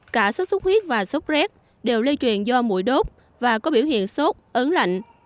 cả sốt sốt huyết và sốc rét đều lây truyền do mũi đốt và có biểu hiện sốt ớn lạnh